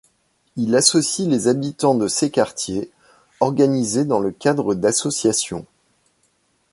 Il associe les habitants de ces quartiers, organisés dans le cadre d'associations.